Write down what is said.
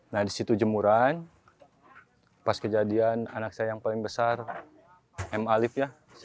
nah disitu jemuran pas kejadian anak saya yang paling besar m alif ya